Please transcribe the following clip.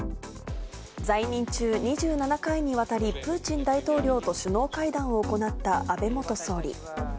在任中、２７回にわたりプーチン大統領と首脳会談を行った安倍元総理。